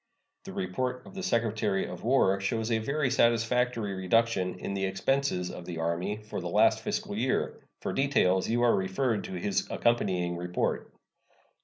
The report of the Secretary of War shows a very satisfactory reduction in the expenses of the Army for the last fiscal year. For details you are referred to his accompanying report.